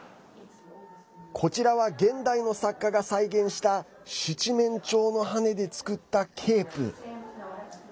こちらは現代の作家が再現した七面鳥の羽根で作ったケープ。